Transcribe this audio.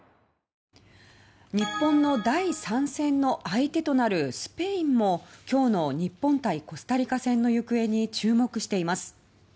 日本の第３戦の相手となるスペインも今日の日本対コスタリカ戦の行方に注目しています。